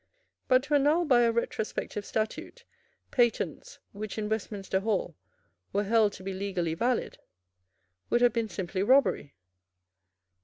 But to annul by a retrospective statute patents, which in Westminster Hall were held to be legally valid, would have been simply robbery.